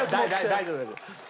大丈夫大丈夫。